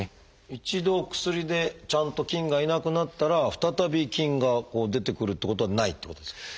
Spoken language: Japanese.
一度薬でちゃんと菌がいなくなったら再び菌が出てくるってことはないってことですか？